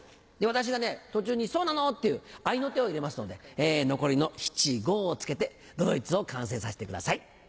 私が途中に「そうなの？」っていう合いの手を入れますので残りの七・五を付けて都々逸を完成させてください。